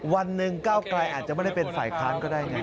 วันหนึ่งก้าวไกลอาจจะไม่ได้เป็นฝ่ายค้านก็ได้ไง